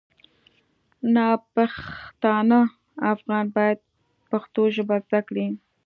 ناپښتانه افغانان باید پښتو ژبه زده کړي